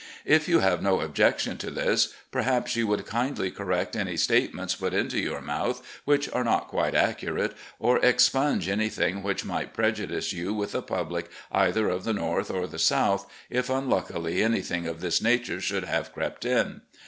If you have no objection to this, perhaps you would kindly correct any statements put into your mouth which are not quite accu rate, or expimge anything which might prejudice you with the public either of the North or the South, if unluckily anything of this nature should have crept in.